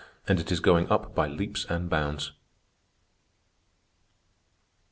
And it is going up by leaps and bounds.